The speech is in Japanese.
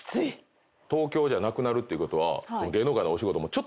東京じゃなくなるっていうことは。